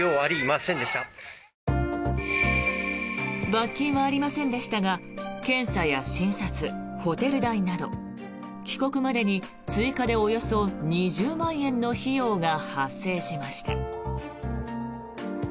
罰金はありませんでしたが検査や診察、ホテル代など帰国までに追加でおよそ２０万円の費用が発生しました。